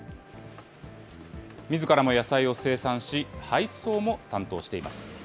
みずからも野菜を生産し、配送も担当しています。